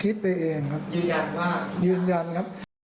คิดไปเองครับยืนยันว่ายืนยันครับ